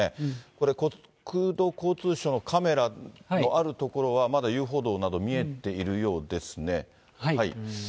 これ、国土交通省のカメラのある所は、まだ遊歩道など見えているようですね。